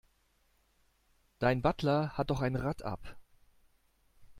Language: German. Dein Butler hat doch ein Rad ab.